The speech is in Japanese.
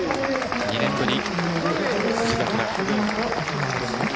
夢、２年ぶり